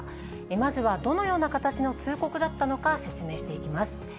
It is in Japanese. まずはどのような形の通告だったのか、説明していきます。